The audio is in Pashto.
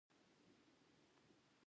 لیکوال چې څه لیدلي او احساس کړي وي بیانوي.